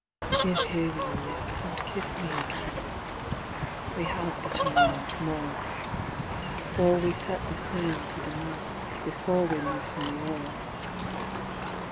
Give here your lips and kiss me again, we have but a moment more, Before we set the sail to the mast, before we loosen the oar.